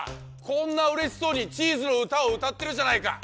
こんなうれしそうにチーズのうたをうたってるじゃないか！